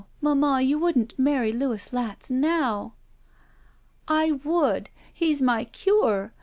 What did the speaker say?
Mamma, you wouldn't marry Louis Latznowl" ''I would. He's my cure.